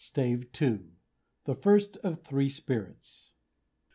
STAVE TWO. THE FIRST OF THE THREE SPIRITS.